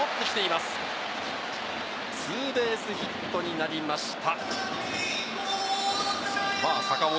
坂本のツーベースヒットになりました。